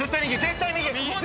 絶対右！